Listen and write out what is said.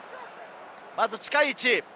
まず近い位置。